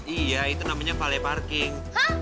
iya itu namanya cale parking